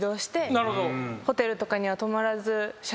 ホテルとかには泊まらず。